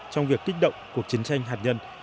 trong việc kích động cuộc chiến tranh hạt nhân